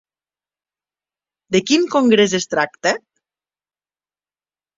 De quin congrés es tracta?